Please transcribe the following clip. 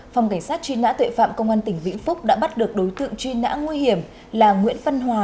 phòng cảnh sát truy nã tuệ phạm công an tỉnh vĩnh phúc đã bắt được đối tượng truy nã nguy hiểm là nguyễn văn hòa